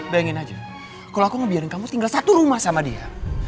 bayangin aja kalau aku ngebiarin kamu tinggal satu rumah sama dia